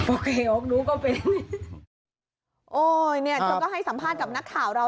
โอเคออกหนูก็เป็นโอ้ยเนี่ยเธอก็ให้สัมภาษณ์กับนักข่าวเรา